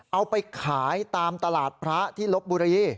เอาไปขายตามตลาดพระที่ลบบุรี